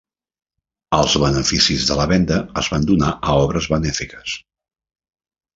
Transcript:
Els beneficis de la venda es van donar a obres benèfiques.